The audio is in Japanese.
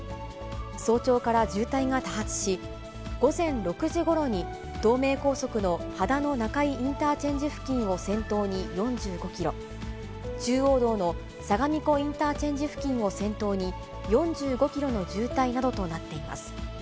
早朝から渋滞が多発し、午前６時ごろに、東名高速の秦野中井インターチェンジ付近を先頭に４５キロ、中央道の相模湖インターチェンジ付近を先頭に４５キロの渋滞などとなっています。